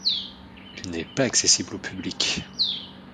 Il n'est pas accessible au public.